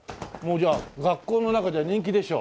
じゃあ学校の中じゃ人気でしょ？